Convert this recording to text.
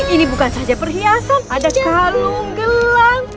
ini bukan saja perhiasan ada kalung gelang